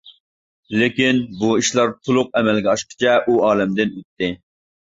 لېكىن، بۇ ئىشلار تولۇق ئەمەلگە ئاشقىچە ئۇ ئالەمدىن ئۆتتى.